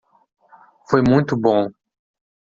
Foi muito bom.